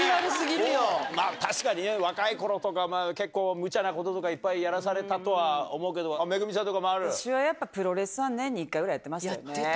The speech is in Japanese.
確かにね、若いころとか結構、むちゃなこととか、いっぱいやらされたとは思うけど、私はやっぱりプロレスは年にやってた。